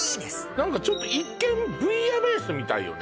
何かちょっと一見ブイヤベースみたいよね